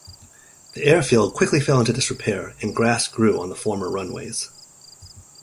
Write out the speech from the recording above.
The airfield quickly fell into disrepair and grass grew on the former runways.